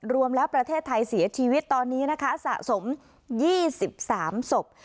รวมแล้วประเทศไทยเสียชีวิตตอนนี้นะคะสะสม๒๓ศพ